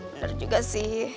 bener juga sih